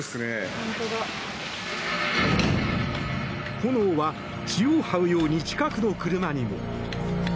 炎は地をはうように近くの車にも。